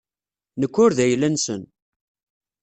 Nekk ur d ayla-nsen.